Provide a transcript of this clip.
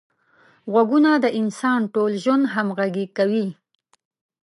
غوږونه د انسان ټول ژوند همغږي کوي